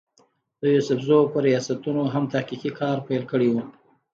د يوسفزو پۀ رياستونو هم تحقيقي کار پېل کړی وو